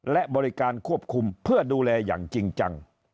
และบริการควบคุมเพื่อดูแลอย่างจริงจัง